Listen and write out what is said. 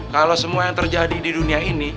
kalau semua yang terjadi di dunia ini